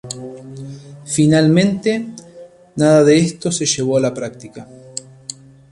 Finalmente, nada de esto se llevó a la práctica.